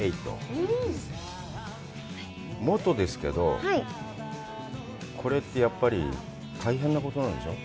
元ですけど、これってやっぱり、大変なことなんでしょう？